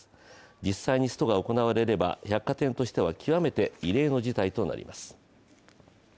実際にストが行われれば、百貨店としては極めて異例の事態となります。